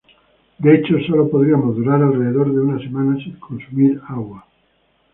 De hecho, sólo podríamos durar alrededor de una semana sin consumir agua.